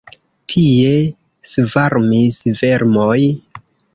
Tie svarmis vermoj.